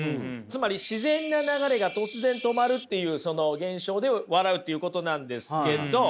つまり自然な流れが突然止まるっていうその現象で笑うっていうことなんですけど。